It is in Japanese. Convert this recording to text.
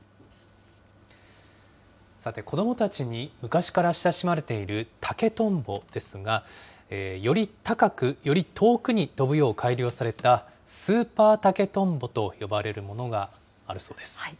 さて、子どもたちに昔から親しまれている竹とんぼですが、より高く、より遠くに飛ぶよう改良された、スーパー竹とんぼと呼ばれるものがあるそうです。